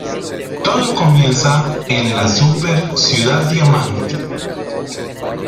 Todo comienza en la súper ciudad Diamante.